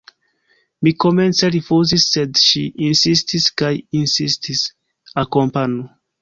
Mi komence rifuzis, sed ŝi insistis kaj insistis: Akompanu!